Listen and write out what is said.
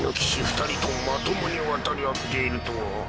二人とまともに渡り合っているとは。